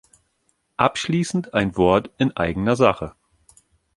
Abschließend ein Wort in eigener Sache.